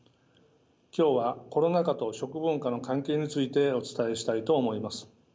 今日はコロナ禍と食文化の関係についてお伝えしたいと思います。